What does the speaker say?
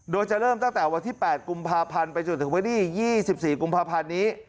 โดยจะเริ่มตั้งแต่วันที่๘กุมภาพันธ์ไปจนถึงวันที่๒๔กุมภาพันธ์นี้